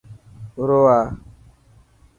آرو آ.